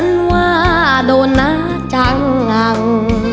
กำลังจะนำรส